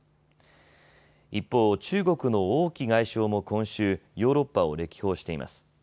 一方、中国の王毅外相も今週、ヨーロッパを歴訪しています。